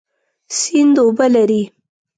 سیند اوبه لري.